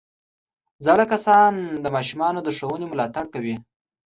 زاړه کسان د ماشومانو د ښوونې ملاتړ کوي